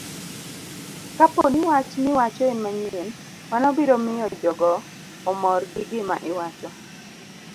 Kapo ni wach miwacho en manyien, mano biro miyo jogo omor gi gima iwacho.